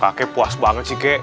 pakai puas banget sih kek